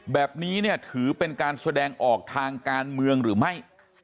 แบบนี้เนี่ยถือเป็นการแสดงออกทางการเมืองหรือไม่